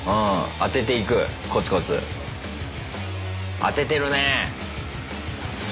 当ててるねぇ。